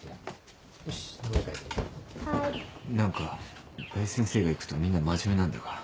何か大先生が行くとみんな真面目なんだが。